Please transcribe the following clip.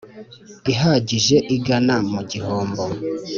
ihagije igana mu gihombo